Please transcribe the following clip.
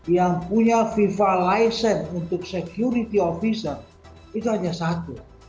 yang punya viva license untuk security officer itu hanya satu